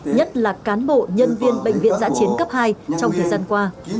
nhất là cán bộ nhân viên bệnh viện giã chiến cấp hai trong thời gian qua